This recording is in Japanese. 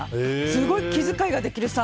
すごい気遣いができる。